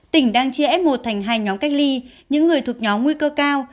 tỉnh đang chia f một thành hai nhóm cách ly những người thuộc nhóm nguy cơ cao